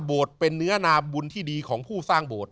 เป็นเนื้อนาบุญที่ดีของผู้สร้างโบสถ